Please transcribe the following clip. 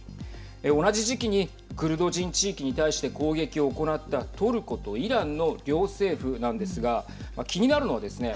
同じ時期にクルド人地域に対して攻撃を行ったトルコとイランの両政府なんですが気になるのはですね